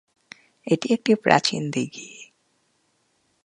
এটি একটি প্রাচীন দিঘি।